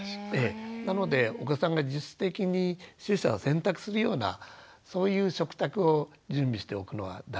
なのでお子さんが自主的に取捨選択するようなそういう食卓を準備しておくのは大事かなというふうに思います。